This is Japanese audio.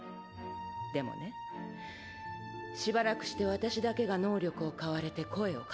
でもねしばらくして私だけが能力を買われて声をかけられた。